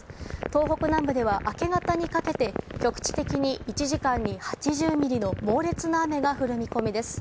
東北南部では、明け方にかけて局地的に１時間に８０ミリの猛烈な雨が降る見込みです。